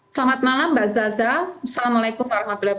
selamat malam mbak zaza assalamualaikum wr wb